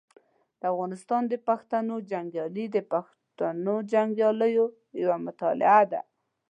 د افغانستان د پښتنو جنګیالي د پښتنو جنګیالیو یوه مطالعه ده.